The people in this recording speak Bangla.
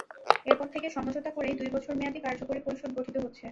এরপর থেকে সমঝোতা করেই দুই বছর মেয়াদি কার্যকরী পরিষদ গঠিত হচ্ছে।